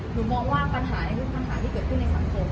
หนูมองว่าปัญหาคือปัญหาที่เกิดขึ้นในสังคม